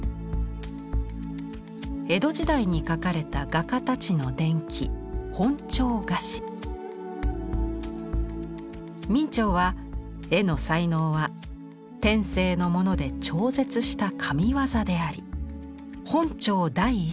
江戸時代に書かれた画家たちの伝記明兆は絵の才能は天性のもので超絶した神業であり「本朝第一」